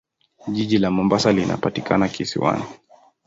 Jiji la Mombasa linapatikana kisiwani.